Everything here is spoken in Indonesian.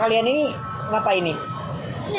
ini siapa muglis